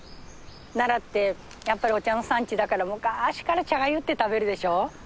奈良ってやっぱりお茶の産地だからむかしから茶がゆって食べるでしょ？